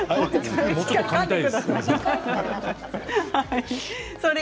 もうちょっと、かみたい。